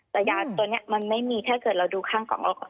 แต่ยาตัวนี้มันไม่มีถ้าเกิดเราดูข้างของเราก่อน